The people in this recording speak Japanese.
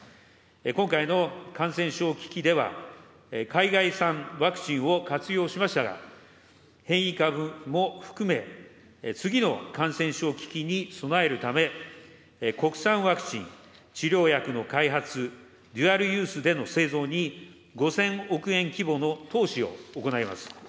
今回の感染症危機では、海外産ワクチンを活用しましたが、変異株も含め、次の感染症危機に備えるため、国産ワクチン、治療薬の開発、デュアルユースでの製造に５０００億円規模の投資を行います。